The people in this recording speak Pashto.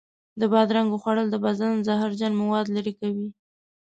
د بادرنګو خوړل د بدن زهرجن موادو لرې کوي.